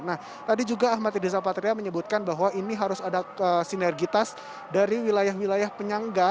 nah tadi juga ahmad riza patria menyebutkan bahwa ini harus ada sinergitas dari wilayah wilayah penyangga